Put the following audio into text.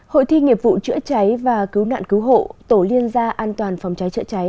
hội thi nghiệp vụ chữa cháy và cứu nạn cứu hộ tổ liên gia an toàn phòng cháy chữa cháy